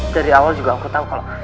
dari awal juga aku tahu kalau